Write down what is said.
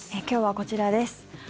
今日はこちらです。